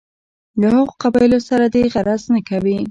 له هغو قبایلو سره دې غرض نه کوي.